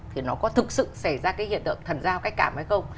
thì nó có thực sự xảy ra cái hiện tượng thần giao cách cảm hay không